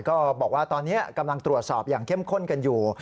ก็บอกว่าตอนนี้กำลังตรวจสอบอย่างเข้มข้นกันอยู่